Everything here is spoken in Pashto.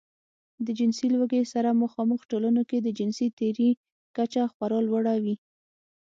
د جنسي لوږې سره مخامخ ټولنو کې د جنسي تېري کچه خورا لوړه وي.